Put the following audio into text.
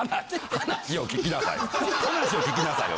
話を聞きなさいよ。